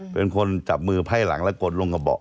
เป็นคนจับมือไพ่หลังและกดลงกระเบาะ